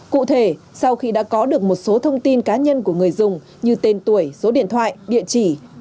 cụ thể sau khi đã có được một số thông tin cá nhân của người dùng như tên tuổi số điện thoại địa chỉ